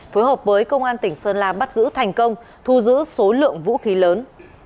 phối hợp với công an tỉnh sơn la bắt giữ thành công thu giữ số lượng vũ khí lớn